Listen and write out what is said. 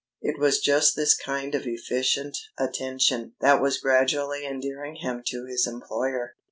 It was just this kind of efficient attention that was gradually endearing him to his employer.